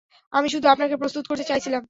আমি শুধু আপনাকে প্রস্তুত করতে চাইছিলাম।